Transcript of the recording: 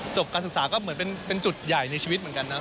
การศึกษาก็เหมือนเป็นจุดใหญ่ในชีวิตเหมือนกันนะ